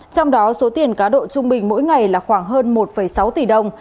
trong đó số tiền cá độ trung bình mỗi ngày là khoảng hơn một sáu tỷ đồng